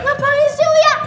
ngapain sih lo ya